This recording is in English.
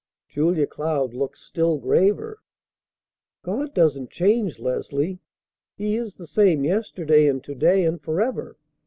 Julia Cloud looked still graver. "God doesn't change, Leslie. He is the same yesterday and to day and forever.